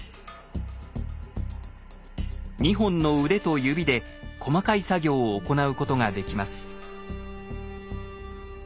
２本の腕と指で細かい作業を行うことができます。